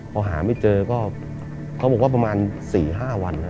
พอหาไม่เจอก็เขาบอกว่าประมาณ๔๕วัน